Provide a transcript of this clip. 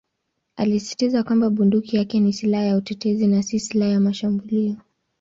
Alisisitiza kwamba bunduki yake ni "silaha ya utetezi" na "si silaha ya mashambulio".